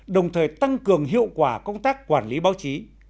đồng thời tăng cường hiệu quả công tác quản lý báo chí